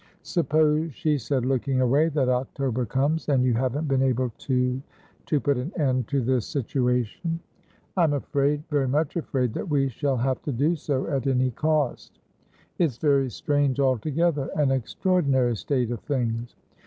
"Suppose," she said, looking away, "that October comes, and you haven't been able toto put an end to this situation?" "I'm afraidvery much afraidthat we shall have to do so at any cost." "It's very strange, altogether. An extraordinary state of things."